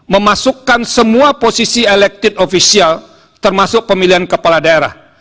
memasukkan semua posisi elected official termasuk pemilihan kepala daerah